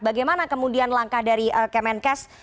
bagaimana kemudian langkah dari kemenkes